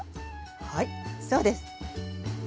はいそうです。